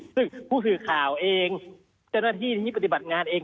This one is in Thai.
ซึ่งผู้สื่อข่าวเองเจ้าหน้าที่ที่ปฏิบัติงานเอง